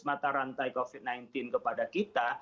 mata rantai covid sembilan belas kepada kita